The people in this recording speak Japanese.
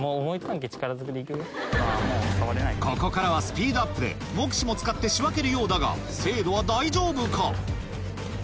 ここからはスピードアップで目視も使って仕分けるようだが精度は大丈夫か？